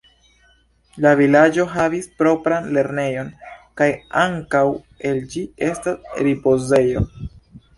La vilaĝo havis propran lernejon, kaj ankaŭ el ĝi estas ripozejo.